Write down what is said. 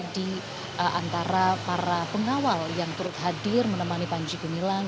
di antara para pengawal yang turut hadir menemani panji gumilang